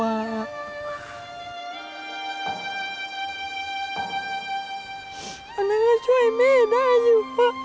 อันนั้นก็ช่วยแม่ได้อยู่ป่ะ